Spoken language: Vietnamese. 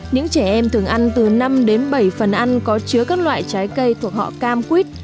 những trẻ em thường ăn từ năm đến bảy phần ăn có chứa các loại trái cây thuộc họ cam quýt